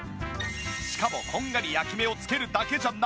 しかもこんがり焼き目をつけるだけじゃない！